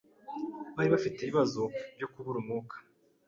bari bafite ibibazo byo kubura umwuka